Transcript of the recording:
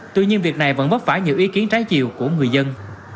tuy nhiên việc này vẫn vấp phải nhiều ý kiến trái chiều của người dân